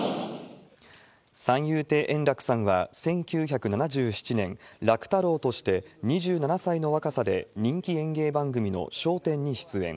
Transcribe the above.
三遊亭円楽さんは、１９７７年、楽太郎として２７歳の若さで、人気演芸番組の笑点に出演。